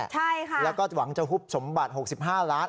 ใช่ค่ะแล้วก็หวังจะหุบสมบัติหกสิบห้าล้าน